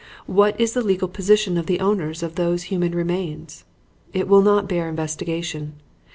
What is the legal position of the owners of those human remains? It will not bear investigation.